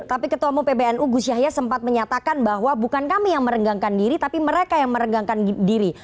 tapi ketua umum pbnu gus yahya sempat menyatakan bahwa bukan kami yang merenggangkan diri tapi mereka yang merenggangkan diri